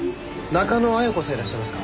中野絢子さんいらっしゃいますか？